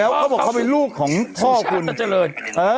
แล้วเขาบอกเขาเป็นลูกของพ่อคุณสุชาติมาจะเจริญ